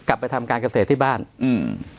กลับไปทำการเกษตรที่บ้านอืม